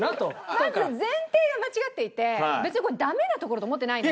まず前提が間違っていて別にこれダメなところと思ってないので。